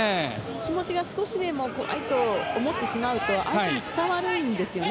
気持ちが少しでも下がってしまうと相手に伝わるんですよね。